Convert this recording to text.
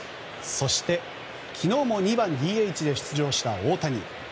そして昨日も２番ＤＨで出場した大谷。